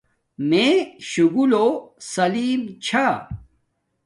مݺ شُگُلݸ سلݵم چھݳ.